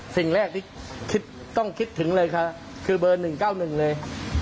สิ่งแรกที่คิดต้องคิดถึงเลยค่ะคือเบอร์๑๙๑เลย